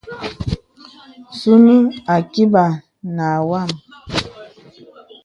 Sùŋūū àkībà nà wàm.